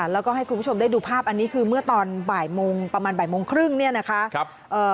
แล้วก็ให้คุณผู้ชมได้ดูภาพอันนี้คือเมื่อตอนบ่ายโมงประมาณบ่ายโมงครึ่งเนี่ยนะคะ